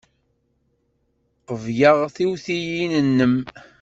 Qebleɣ tiwtilin-nnem.